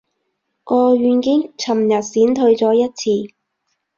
個軟件尋日閃退咗一次